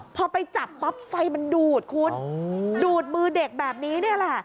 พอไปจับปั๊บไฟมันดูดคุณดูดมือเด็กแบบนี้นี่แหละ